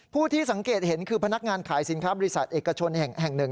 ผู้ที่สังเกตเห็นคือพนักงานขายสินค้าบริษัทเอกชนแห่งหนึ่ง